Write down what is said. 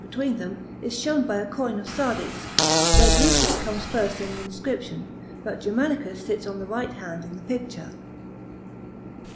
between them is shown by a coin of Sardis, where Drusus comes first in the inscription, but Germanicus sits on the right haud in the picture.